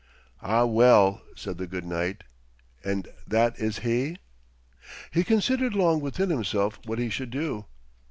'Ah, well,' said the good knight. 'And that is he?' He considered long within himself what he should do.